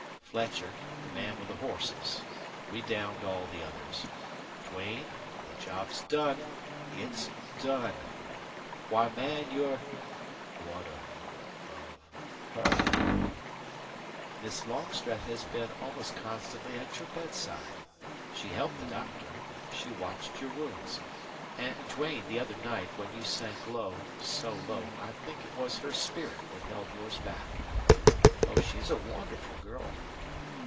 "Fletcher, the man with the horses. We downed all the others. Duane, the job's done it's done! Why, man, you're " "What of of HER?" "Miss Longstreth has been almost constantly at your bedside. She helped the doctor. She watched your wounds. And, Duane, the other night, when you sank low so low I think it was her spirit that held yours back. Oh, she's a wonderful girl.